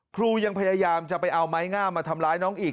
ครูยังพยายามจะไปเอาไม้งามมาทำร้ายน้องอีก